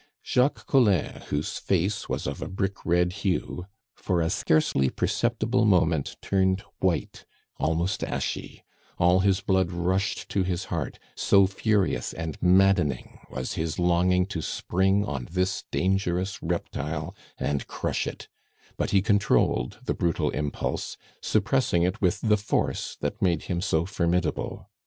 Jacques Collin, whose face was of a brick red hue, for a scarcely perceptible moment turned white, almost ashy; all his blood rushed to his heart, so furious and maddening was his longing to spring on this dangerous reptile and crush it; but he controlled the brutal impulse, suppressing it with the force that made him so formidable.